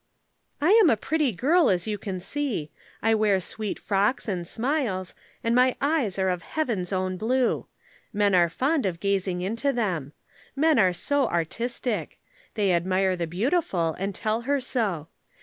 "I am a pretty girl, as you can see. I wear sweet frocks and smiles, and my eyes are of Heaven's own blue. Men are fond of gazing into them. Men are so artistic. They admire the beautiful and tell her so.